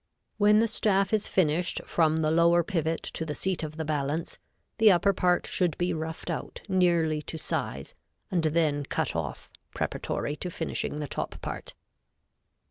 _] When the staff is finished from the lower pivot to the seat of the balance, the upper part should be roughed out nearly to size and then cut off preparatory to finishing the top part.